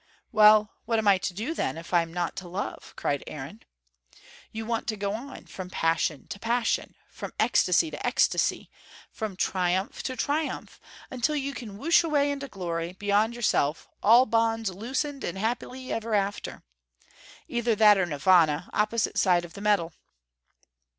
"Well, what am I to do then, if I'm not to love?" cried Aaron. "You want to go on, from passion to passion, from ecstasy to ecstasy, from triumph to triumph, till you can whoosh away into glory, beyond yourself, all bonds loosened and happy ever after. Either that or Nirvana, opposite side of the medal."